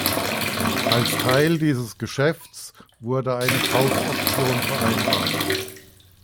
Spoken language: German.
Als Teil dieses Geschäfts wurde eine Kaufoption vereinbart.